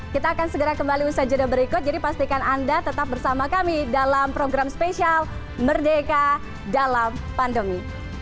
kita akan segera kembali usaha jeda berikut jadi pastikan anda tetap bersama kami dalam program spesial merdeka dalam pandemi